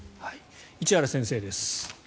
市原先生です。